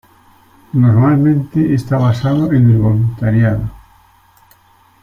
Normalmente, está basado en el voluntariado.